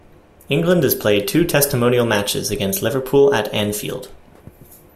England has played two testimonial matches against Liverpool at Anfield.